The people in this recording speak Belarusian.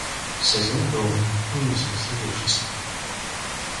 Сядзела доўга, нізка схіліўшыся.